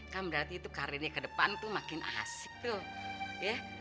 kan berarti karirnya ke depan makin asik tuh